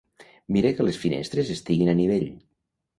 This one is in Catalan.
Mira que les finestres estiguin a nivell.